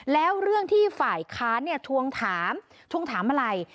แล้วเรื่องที่ฝ่ายค้านทวงถามทวงถามอะไร